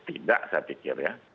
tidak saya pikir ya